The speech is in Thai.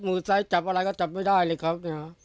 ซ้ายจับอะไรก็จับไม่ได้เลยครับ